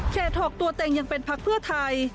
หอกตัวเต็งยังเป็นพักเพื่อไทย